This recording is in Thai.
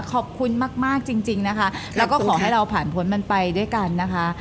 ขอบคุณมากจริงนะคะแล้วก็ขอให้เราผ่านพ้นมันไปด้วยกันนะคะ